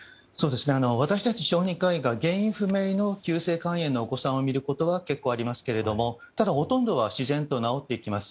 私たち小児科医が原因不明の急性肝炎のお子さんを診ることは結構ありますけどただ、ほとんどは自然と治っていきます。